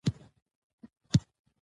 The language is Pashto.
انګور د افغانستان د ملي هویت نښه ده.